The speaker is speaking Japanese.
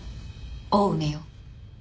青梅よ。